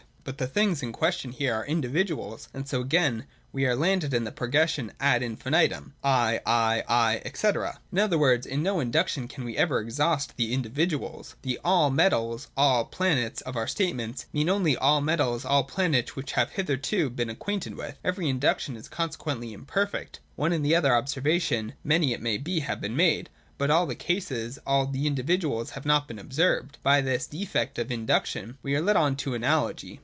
But the things in question here are individuals ; and 326 THE DOCTRINE OF THE NOTION. [190. so again we are landed in the progression ad infinitum (i, i, i, &c.). In other words, in no Induction can we ever exhaust the individuals. The ' all metals,' ' all plants,' of our statements, mean only all the metals, all the plants, which we have hitherto become acquainted with. Every Induction is consequently imperfect. One and the other observation, many it may be, have been made : but all the cases, all the individuals, have not been observed. By this defect of In duction we are led on to Analogy.